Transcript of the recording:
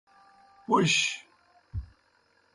پوْش۔